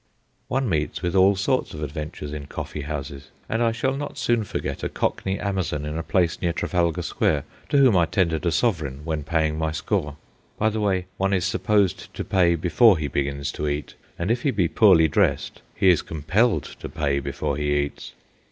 One meets with all sorts of adventures in coffee house, and I shall not soon forget a Cockney Amazon in a place near Trafalgar Square, to whom I tendered a sovereign when paying my score. (By the way, one is supposed to pay before he begins to eat, and if he be poorly dressed he is compelled to pay before he eats).